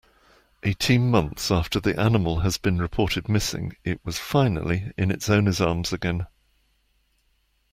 Eighteen months after the animal has been reported missing it was finally in its owner's arms again.